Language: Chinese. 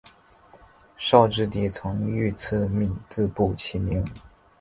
绍治帝曾御赐米字部起名。